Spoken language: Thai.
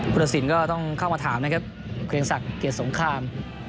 รสินก็ต้องเข้ามาถามนะครับเกรียงศักดิ์เกียรติสงคราม